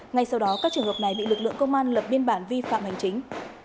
ngay sau đó các trường hợp này bị lực lượng công an lập biên bản vi phạm hành chính